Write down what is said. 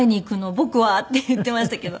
僕は？」って言っていましたけど。